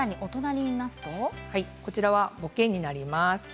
こちらはボケになります。